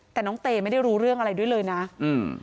แต่น้องเตไม่ได้รู้เรื่องอะไรด้วยเลยนะอืม